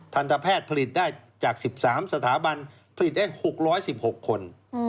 ทันตแพทย์ผลิตได้จาก๑๓สถาบันผลิตได้๖๑๖คน